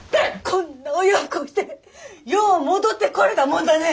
こんな親不孝してよう戻ってこれたもんだね！